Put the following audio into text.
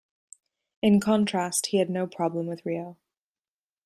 In contrast, he had no problem with Ryo.